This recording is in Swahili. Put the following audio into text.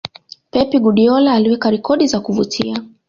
pep guardiola aliweka rekodi za kuvutia